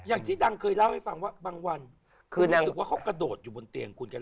อย่างที่ดังเคยเล่าให้ฟังว่าบางวันคือรู้สึกว่าเขากระโดดอยู่บนเตียงคุณกัน